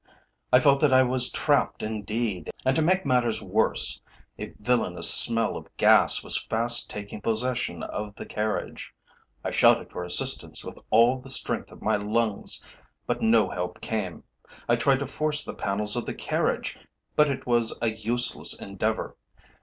I felt that I was trapped indeed, and to make matters worse, a villainous smell of gas was fast taking possession of the carriage. I shouted for assistance with all the strength of my lungs, but no help came. I tried to force the panels of the carriage, but it was a useless endeavour.